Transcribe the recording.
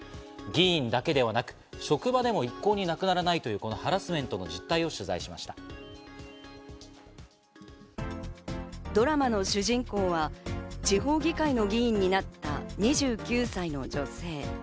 議員だけではなく、職場でも一向になくならないという、このハラスメントの実態を取材しドラマの主人公は地方議会の議員になった２９歳の女性。